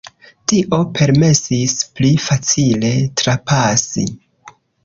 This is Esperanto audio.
Tio permesis pli facile trapasi.